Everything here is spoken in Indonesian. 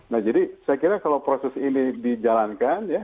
nah jadi saya kira kalau proses ini dijalankan ya